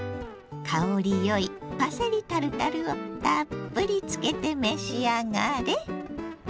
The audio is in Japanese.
香りよいパセリタルタルをたっぷりつけて召し上がれ。